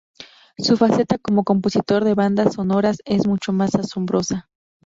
Su faceta como compositor de bandas sonoras es mucho más asombrosa.